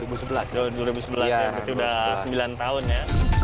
tahun dua ribu sebelas ya berarti sudah sembilan tahun ya